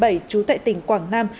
trú tại tỉnh quảng nam